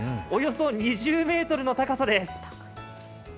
およそ２０ｍの高さです。